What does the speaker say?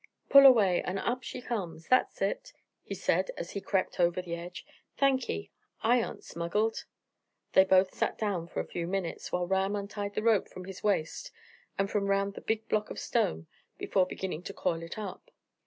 Pull away, and up she comes. That's it!" he said, as he crept over the edge. "Thank'ee. I aren't smuggled." They both sat down for a few minutes, while Ram untied the rope from his waist and from round the big block of stone, before beginning to coil it up.